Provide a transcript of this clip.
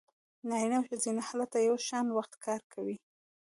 نارینه او ښځینه هلته یو شان وخت کار کوي